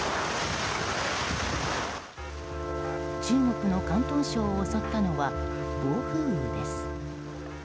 中国の広東省を襲ったのは暴風雨です。